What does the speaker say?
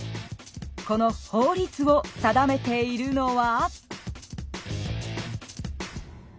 この法律を定めているのは？